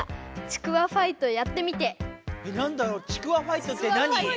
ちくわファイトって何？